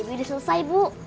baby udah selesai bu